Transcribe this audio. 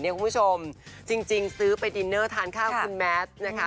คุณผู้ชมจริงซื้อไปดินเนอร์ทานข้าวคุณแมสนะคะ